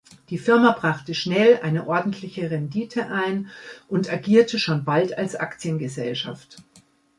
Die Firma brachte schnell eine ordentliche Rendite ein und agierte schon bald als Aktiengesellschaft.